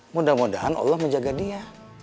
mudah mudahan allah menjaga dia